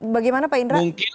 bagaimana pak indra